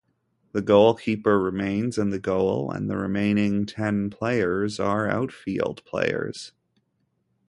The goalkeeper remains in the goal, and the remaining ten players are "outfield" players.